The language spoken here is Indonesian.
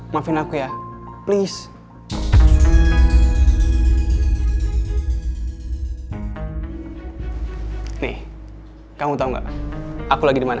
maafin aku ya please nih kamu tahu enggak aku lagi dimana